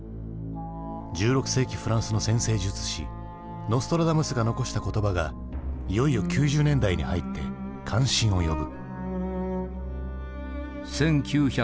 １６世紀フランスの占星術師ノストラダムスが残した言葉がいよいよ９０年代に入って関心を呼ぶ。